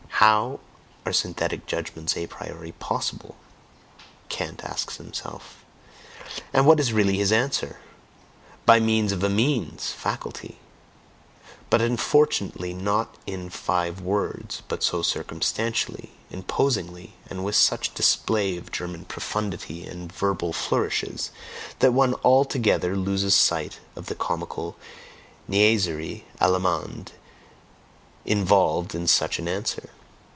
"How are synthetic judgments a priori POSSIBLE?" Kant asks himself and what is really his answer? "BY MEANS OF A MEANS (faculty)" but unfortunately not in five words, but so circumstantially, imposingly, and with such display of German profundity and verbal flourishes, that one altogether loses sight of the comical niaiserie allemande involved in such an answer.